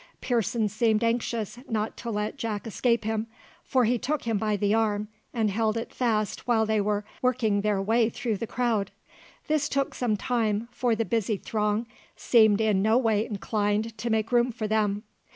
Pearson seemed anxious not to let Jack escape him, for he took him by the arm, and held it fast while they were working their way through the crowd. This took some time, for the busy throng seemed in no way inclined to make room for them.